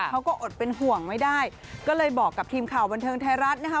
เขาก็อดเป็นห่วงไม่ได้ก็เลยบอกกับทีมข่าวบันเทิงไทยรัฐนะคะ